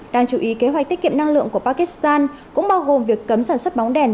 đáng chú ý kế hoạch tiết kiệm năng lượng của pakistan cũng bao gồm việc cấm sản xuất bóng đèn